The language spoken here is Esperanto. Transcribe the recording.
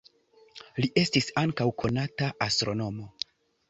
Li estis ankaŭ konata astronomo.